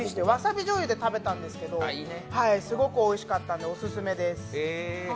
わさびじょうゆで食べたんですけど、すごくおいしかったのでオススメです。